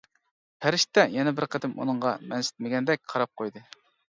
پەرىشتە يەنە بىر قېتىم ئۇنىڭغا مەنسىتمىگەندەك قاراپ قويدى.